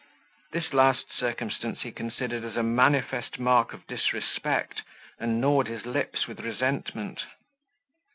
This last circumstance he considered as a manifest mark of disrespect, and gnawed his lips with resentment.